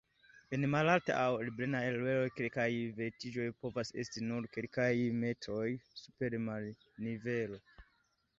En malaltaj aŭ ebenaj areoj kelkaj verticoj povas esti nur kelkajn metrojn super marnivelo.